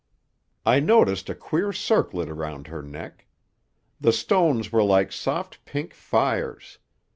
I noticed a queer circlet around her neck. The stones were like soft pink fires.